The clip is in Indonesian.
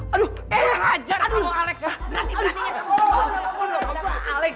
aduh tapi aku mau pacaran sama nenek nenek